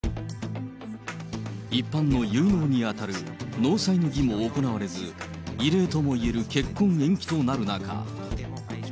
一般の結納に当たる納采の儀も行われず、異例ともいえる結婚延期となる中。